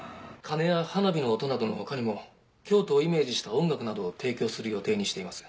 鐘や花火の音などの他にも京都をイメージした音楽などを提供する予定にしています。